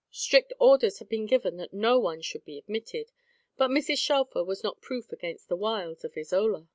Strict orders had been given that no one should be admitted. But Mrs. Shelfer was not proof against the wiles of Isola.